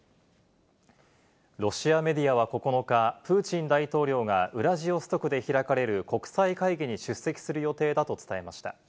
ロシアメディアは９日、プーチン大統領がウラジオストクで開かれる国際会議に出席する予定だと伝えました。